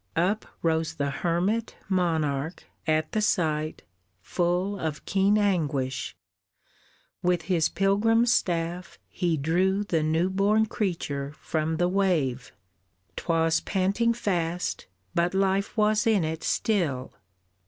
Up rose the hermit monarch at the sight Full of keen anguish; with his pilgrim staff He drew the new born creature from the wave; 'Twas panting fast, but life was in it still.